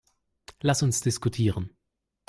Lass uns diskutieren.